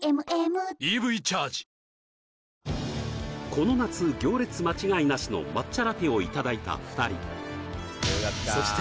この夏行列間違いなしの抹茶ラテをいただいた２人そして